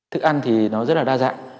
thức ăn thì nó rất là đa dạng